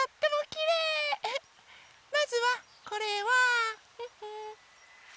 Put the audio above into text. まずはこれは。